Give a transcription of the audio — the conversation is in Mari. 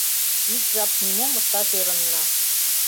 Ик жап нимом ышташ ӧрынна.